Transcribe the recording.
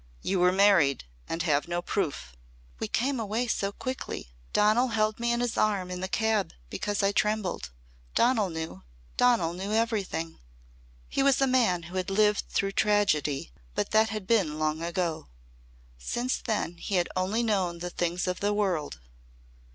"You were married and have no proof." "We came away so quickly. Donal held me in his arm in the cab because I trembled. Donal knew. Donal knew everything." He was a man who had lived through tragedy but that had been long ago. Since then he had only known the things of the world.